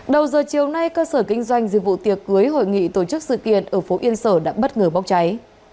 đầu giờ chiều nay cơ sở kinh doanh dịch vụ tiệc cưới hội nghị tổ chức sự kiện ở phố yên sở đã bất ngờ bốc cháy